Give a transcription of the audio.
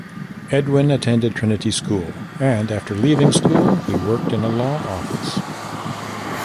Edwin attended Trinity School and after leaving school he worked in a law office.